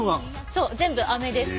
そう全部アメです。